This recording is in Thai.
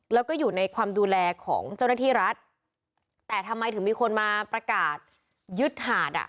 แล้วก็อยู่ในความดูแลของเจ้าหน้าที่รัฐแต่ทำไมถึงมีคนมาประกาศยึดหาดอ่ะ